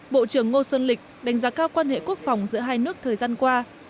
bộ trưởng ngô xuân lịch đánh giá cao quan hệ quốc phòng giữa hai nước thời gian qua